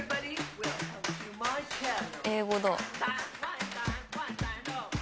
英語だ。